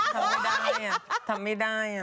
ทำไงอ่ะทำไม่ได้อ่ะ